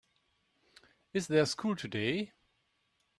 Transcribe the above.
Is there school today?